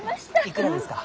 いくらですか？